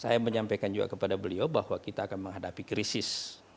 saya menyampaikan juga kepada beliau bahwa kita akan menghadapi krisis